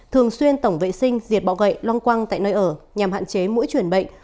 thường xuyên tổng vệ sinh diệt bọ gậy long quăng tại nơi ở nhằm hạn chế mũi chuyển bệnh